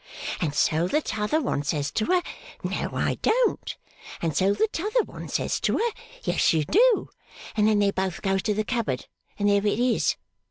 And so the t'other one says to her, no I don't; and so the t'other one says to her, yes you do; and then they both goes to the cupboard, and there it is.